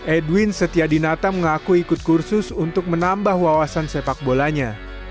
edwin setia dinata mengaku ikut kursus untuk menambah wawasan sepak bolanya